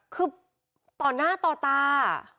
คือต่อหน้าต่อตา